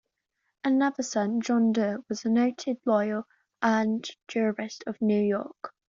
Another son, John Duer, was a noted lawyer and jurist of New York.